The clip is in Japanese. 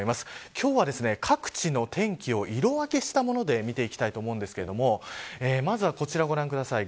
今日は各地の天気を色分けしたもので見ていきたいと思うんですけどもまずは、こちらをご覧ください。